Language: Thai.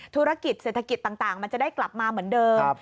ธุรกิจเศรษฐกิจต่างมันจะได้กลับมาเหมือนเดิม